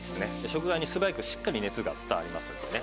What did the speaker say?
食材に素早くしっかり熱が伝わりますんでね。